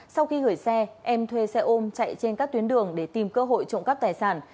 sau khi gửi xe em thuê xe ôm chạy trên các tuyến đường để tìm cơ hội trộm cắp tài sản